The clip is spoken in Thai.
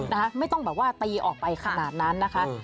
นะคะไม่ต้องแบบว่าตีออกไปขนาดนั้นนะคะ